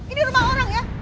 ini rumah orangnya